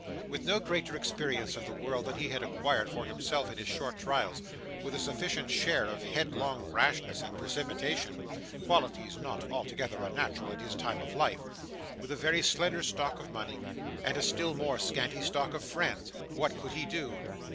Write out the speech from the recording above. With no greater experience of the world than he had acquired for himself in his short trials; with a sufficient share of headlong rashness and precipitation (qualities not altogether unnatural at his time of life); with a very slender stock of money, and a still more scanty stock of friends; what could he do?